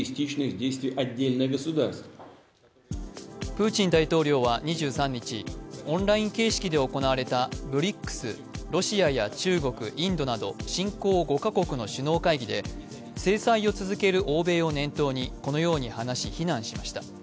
プーチン大統領は２３日、オンライン形式で行われたＢＲＩＣｓ、ロシアや中国、インドなど新興５カ国の首脳会議で制裁を続ける欧米を念頭にこのように話し、非難しました。